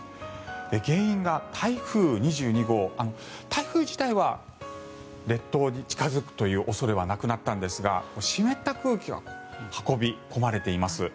原因が台風２２号台風自体は列島に近付くという恐れはなくなったんですが湿った空気が運び込まれています。